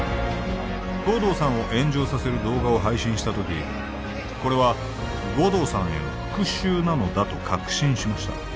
護道さんを炎上させる動画を配信した時これは護道さんへの復讐なのだと確信しました